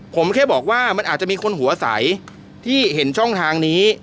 ผมแค่บอกว่ามันอาจจะมีคนหัวใสที่เห็นช่องทางนี้